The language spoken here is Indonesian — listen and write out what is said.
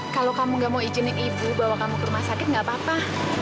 kalau kamu gak mau izinin ibu bawa kamu ke rumah sakit nggak apa apa